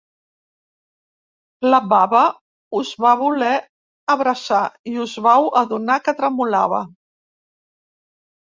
La baba us va voler abraçar i us vau adonar que tremolava.